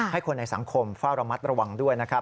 ให้คนในสังคมเฝ้าระมัดระวังด้วยนะครับ